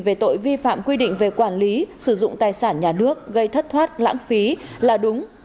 về tội vi phạm quy định về quản lý sử dụng tài sản nhà nước gây thất thoát lãng phí là đúng có cơ sở pháp lý